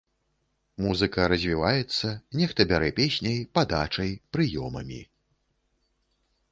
Музыка развіваецца, нехта бярэ песняй, падачай, прыёмамі.